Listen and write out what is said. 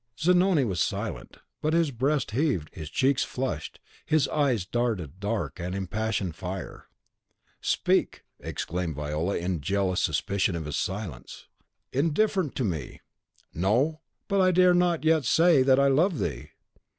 Zanoni was silent; but his breast heaved, his cheeks flushed, his eyes darted dark and impassioned fire. "Speak!" exclaimed Viola, in jealous suspicion of his silence. "Indifferent to me! No; but I dare not yet say that I love thee."